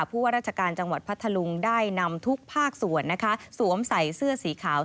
ผู้ว่าราชการจังหวัดพัทธลุงได้นำทุกภาคส่วนนะคะสวมใส่เสื้อสีขาว